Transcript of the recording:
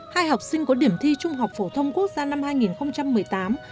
hai học sinh có điểm thi trung học phổ thông quốc gia năm hai nghìn một mươi tám